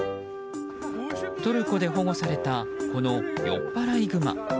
トルコで保護されたこの酔っ払いグマ。